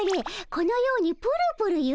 このようにプルプルゆれる。